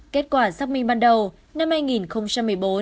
kết quả xác minh ban đầu năm hai nghìn một mươi bốn